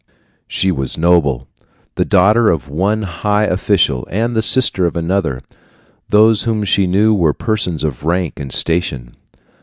She was noble, the daughter of one high official and the sister of another. Those whom she knew were persons of rank and station.